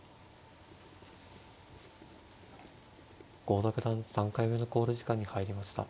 郷田九段３回目の考慮時間に入りました。